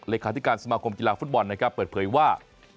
เลขาธิการสมาคมกีฬาฟุตบอลเปิดเผยว่า